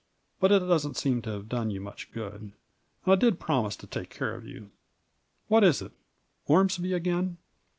But it doesn't seem to have done you much good, and I did promise to take care of you. What is it ? Ormsby again